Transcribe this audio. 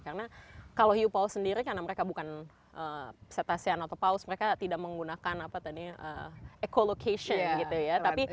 karena kalau hiu paus sendiri karena mereka bukan cetacean atau paus mereka tidak menggunakan apa tadi ekolocation gitu ya